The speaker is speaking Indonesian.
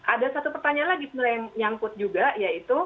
ada satu pertanyaan lagi sebenarnya yang nyangkut juga yaitu